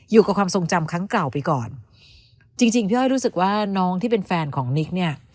อยู่กับความทรงจำครั้งเก่าไปก่อนจริงจริงพี่อ้อยรู้สึกว่าน้องที่เป็นแฟนของนิกเนี่ย